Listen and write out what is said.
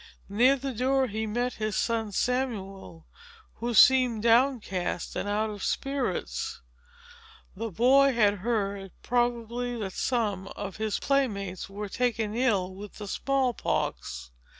Near the door he met his son Samuel, who seemed downcast and out of spirits. The boy had heard, probably, that some of his playmates were taken ill with the small pox.